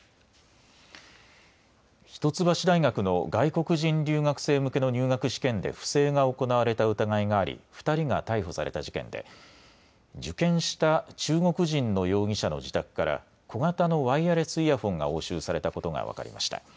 一橋大学の外国人留学生向けの入学試験で不正が行われた疑いがあり２人が逮捕された事件で受験した中国人の容疑者の自宅から小型のワイヤレスイヤホンが押収されたことが分かりました。